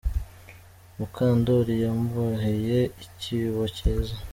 Mukandoli yamboheye ikibo kiza.